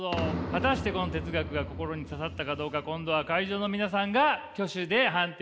果たしてこの哲学が心に刺さったかどうか今度は会場の皆さんが挙手で判定をしてください。